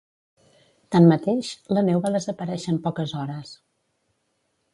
Tanmateix, la neu va desaparèixer en poques hores.